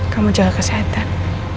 kamu jaga kesehatan